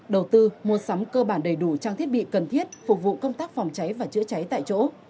đầu tư mua sắm cơ bản đầy đủ trang thiết bị cần thiết phục vụ công tác phòng cháy và chữa cháy tại chỗ